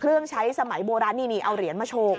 เครื่องใช้สมัยโบราณนี่เอาเหรียญมาโชว์